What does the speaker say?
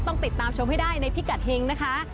ต้องติดตามชมให้ได้ในพิกัดเฮงนะคะ